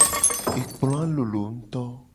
Ekploa lolo ngto.